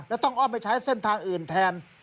และต้องอ้อมไปใช้เส้นทางอื่นแทน